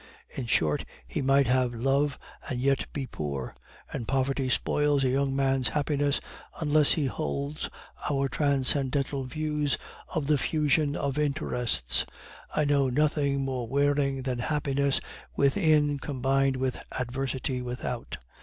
In short, he might have love and yet be poor. And poverty spoils a young man's happiness, unless he holds our transcendental views of the fusion of interests. I know nothing more wearing than happiness within combined with adversity without.